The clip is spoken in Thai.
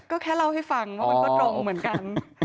ก็แค่เล่าให้ฟังว่ามันก็ตรงเหมือนกัน